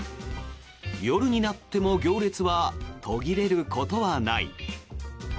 夜になっても行列は途切れることはない。